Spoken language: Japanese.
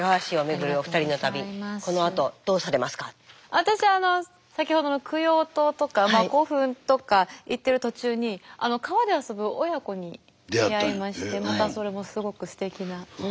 私は先ほどの供養塔とか古墳とか行ってる途中に川で遊ぶ親子に出会いましてまたそれもすごくすてきなご家族だったので。